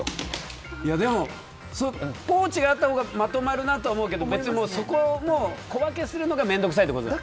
ポーチがあったほうがまとまるなとは思うけど別に小分けするのが面倒くさいってことね。